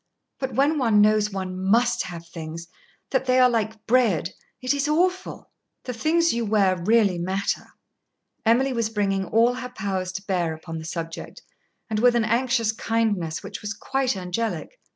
But when one knows one must have things, that they are like bread, it is awful!" "The things you wear really matter." Emily was bringing all her powers to bear upon the subject, and with an anxious kindness which was quite angelic.